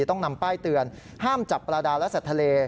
ต้องนำป้ายเตือนห้ามจับปลาดาและสัตว์ทะเล